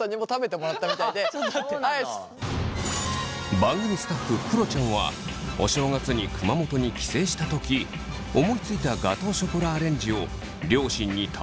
番組スタッフくろちゃんはお正月に熊本に帰省した時思いついたガトーショコラアレンジを両親に食べてもらいました。